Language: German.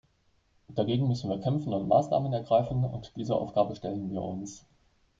Dagegen müssen wir kämpfen und Maßnahmen ergreifen, und dieser Aufgabe stellen wir uns.